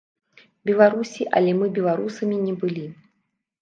Беларусі, але мы беларусамі не былі.